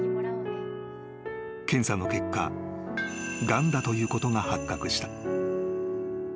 ［検査の結果がんだということが発覚した］